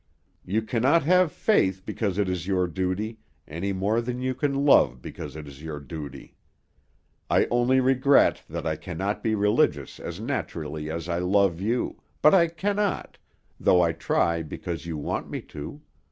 You cannot have faith because it is your duty any more than you can love because it is your duty. I only regret that I cannot be religious as naturally as I love you, but I cannot, though I try because you want me to.